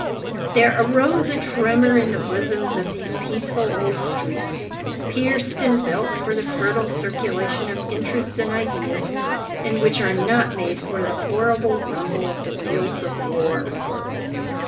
There arose a tremor in the bosoms of these peaceful old streets, pierced and built for the fertile circulation of interests and ideas, and which are not made for the horrible rumble of the wheels of war.